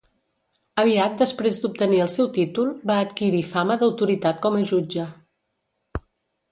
Aviat després d'obtenir el seu títol, va adquirir fama d'autoritat com a jutge.